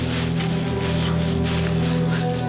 yang sepupu dar magazines